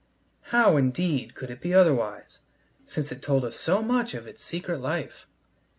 How, indeed, could it be otherwise, since it told us so much of its secret life?